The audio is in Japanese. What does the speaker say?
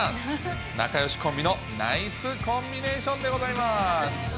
仲よしコンビの、ナイスコンビネーションでございます。